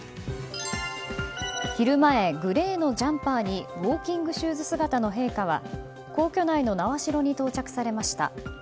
昼前、グレーのジャンパーにウォーキングシューズ姿の陛下は皇居内の苗代に到着されました。